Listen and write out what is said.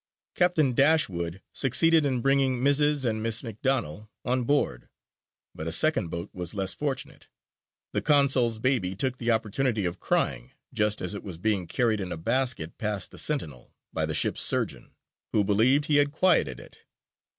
Captain Dashwood succeeded in bringing Mrs. and Miss McDonell on board; but a second boat was less fortunate: the consul's baby took the opportunity of crying just as it was being carried in a basket past the sentinel, by the ship's surgeon, who believed he had quieted it.